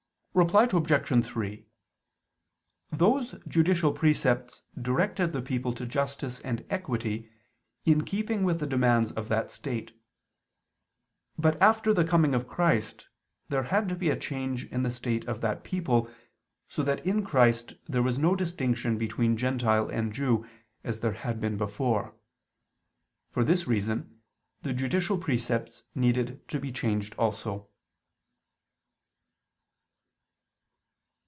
Reply Obj. 3: Those judicial precepts directed the people to justice and equity, in keeping with the demands of that state. But after the coming of Christ, there had to be a change in the state of that people, so that in Christ there was no distinction between Gentile and Jew, as there had been before. For this reason the judicial precepts needed to be changed also.